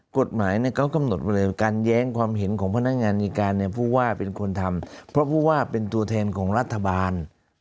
กลุ่มหมายนะการแย้งและความเห็นของพนักงานในการในบู๊บ่าเป็นคนทำเพราะว่าเป็นตัวแทนของรัฐบาล